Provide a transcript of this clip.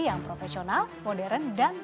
yang profesional modern dan